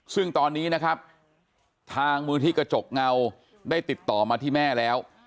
ซึ่งตอนนี้นะครับทางมูลที่กระจกเงาได้ติดต่อมาที่แม่แล้ว